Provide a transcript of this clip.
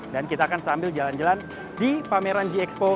dan kita akan sambil jalan jalan di pameran g expo dua ribu dua puluh tiga ems